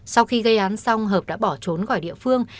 sau khi gây án xong hợp đã bỏ trốn khỏi địa phương